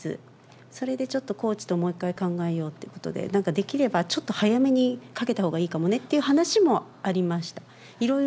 それでちょっとコーチともう一回考えて、なんかできればちょっと早めにかけたほうがいいかもねって話もありました。